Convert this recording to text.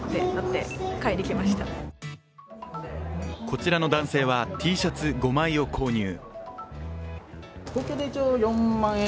こちらの男性は、Ｔシャツ５枚を購入。